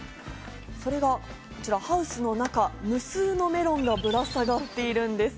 これがハウスの中、無数のメロンがぶら下がっているんです。